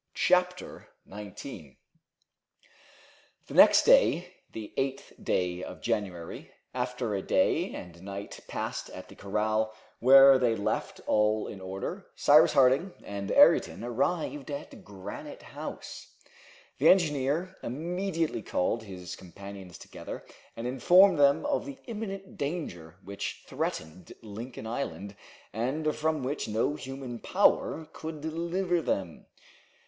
Chapter 19 The next day, the 8th day of January, after a day and night passed at the corral, where they left all in order, Cyrus Harding and Ayrton arrived at Granite House. The engineer immediately called his companions together, and informed them of the imminent danger which threatened Lincoln Island, and from which no human power could deliver them.